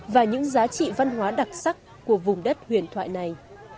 và những giá trị văn hóa đặc sắc của vùng đất huyền thoại này